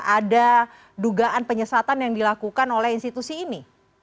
ada dugaan penyesatan yang dilakukan oleh institusi ini